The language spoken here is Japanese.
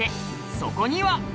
そこには！